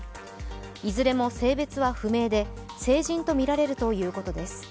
いずれも性別は不明で成人とみられるということです。